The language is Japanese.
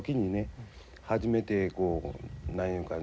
初めてこう何いうんかね